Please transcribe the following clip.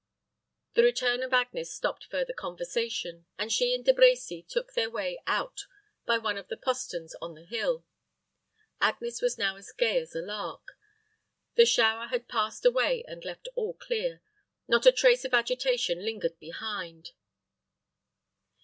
The return of Agnes stopped further conversation; and she and De Brecy took their way out by one of the posterns on the hill. Agnes was now as gay as a lark; the shower had passed away and left all clear; not a trace of agitation lingered behind.